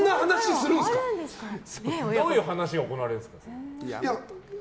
どういう話が行われるんですか。